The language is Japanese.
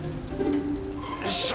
よいしょ。